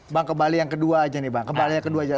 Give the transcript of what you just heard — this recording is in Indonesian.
bang kembali yang kedua aja nih bang kembali yang kedua aja